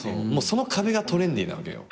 その壁がトレンディーなわけよ。